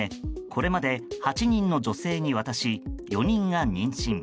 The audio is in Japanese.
これまで８人の女性に渡し４人が妊娠。